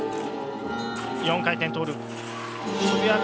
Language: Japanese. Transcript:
４回転トーループ。